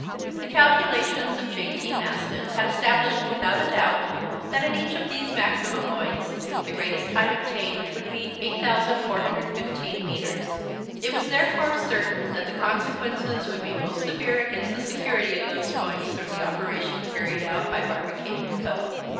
The calculations of J. T. Maston had established without a doubt, that at each of these maxima points the greatest height obtained would be 8,415 metres. It was therefore certain that the consequences would be most severe against the security of those points through the operation carried out by Barbicane & Co.